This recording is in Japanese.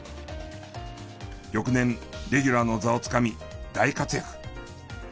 翌年レギュラーの座をつかみ大活躍！